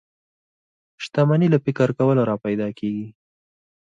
شتمني له فکر کولو را پيدا کېږي.